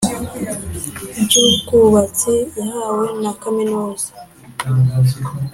by ubwubatsi yahawe na kaminuza